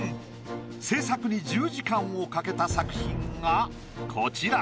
制作に１０時間をかけた作品がこちら。